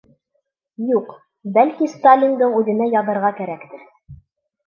Юҡ, бәлки Сталиндың үҙенә яҙырға кәрәктер.